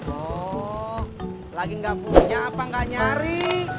oh lagi gak punya apa gak nyari